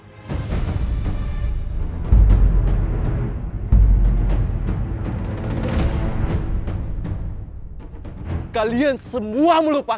dan sekarang kamu tinggal bersama orang orang yang berusaha mencelakai aku